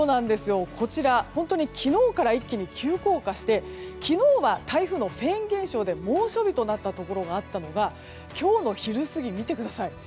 こちら本当に昨日から一気に急降下して昨日は台風のフェーン現象で猛暑日となったところがあったのが今日の昼過ぎを見てください。